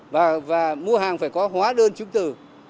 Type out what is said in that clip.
và mua hàng phải có hóa đơn chứng từ